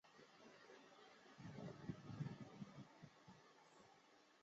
汇知专业持续教育书院为汇知中学附设书院。